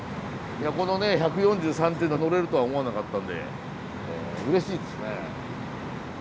このね１４３っての乗れるとは思わなかったんでうれしいですね。